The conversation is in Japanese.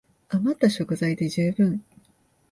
あまった食材で充分